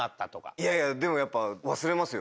いやいやでもやっぱ忘れますよ。